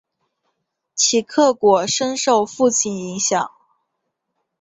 齐克果深受父亲影响。